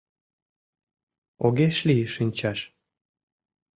Огеш лий шинчаш.